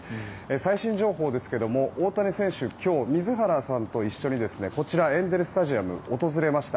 最新情報ですが大谷選手、今日水原さんと一緒にこちら、エンゼル・スタジアム訪れました。